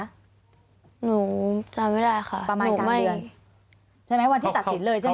นุกจำไม่ได้ค่ะประมาณกลางเดือนใช่ไหมวันที่ตัดสินเลยใช่ไหม